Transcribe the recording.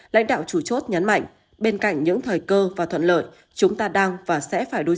lãnh đạo chủ chốt nhấn mạnh bên cạnh những thời cơ và thuận lợi chúng ta đang và sẽ phải đối